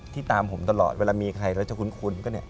ที่ตามผมตลอดเวลามีใครแล้วจะคุ้น